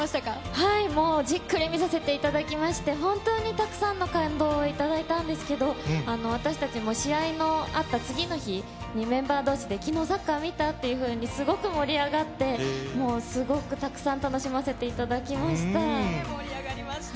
はい、もうじっくり見させていただきまして、本当にたくさんの感動を頂いたんですけど、私たちも試合のあった次の日に、メンバーどうしで、きのうサッカー見た？っていうふうにすごく盛り上がって、もうすごくたくさん楽しませていただきました。